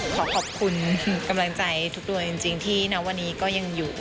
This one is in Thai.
ขอขอบคุณกำลังใจทุกตัวจริงที่ณวันนี้ก็ยังอยู่